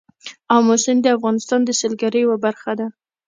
آمو سیند د افغانستان د سیلګرۍ یوه برخه ده.